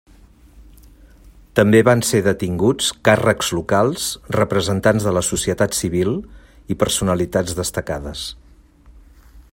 També van ser detinguts càrrecs locals, representants de la societat civil i personalitats destacades.